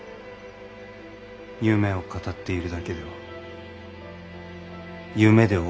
夢を語っているだけでは夢で終わりますぞ。